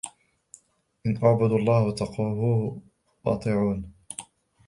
أن اعبدوا الله واتقوه وأطيعون